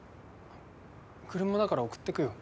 車だから送ってくよ。